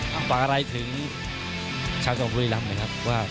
ต่างนั้นใกล้ถึงชาวสมโลกรียรัมพ์ไหมครับ